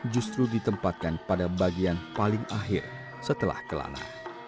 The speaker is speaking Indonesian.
justru ditempatkan pada bagian paling akhir setelah kelana